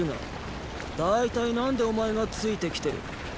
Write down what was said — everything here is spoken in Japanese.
大体何でお前がついて来てる。